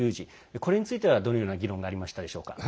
これについてはどのような議論がありましたでしょうか？